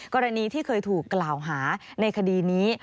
กรณีที่เคยถูกกล่าวหาในคดีนี้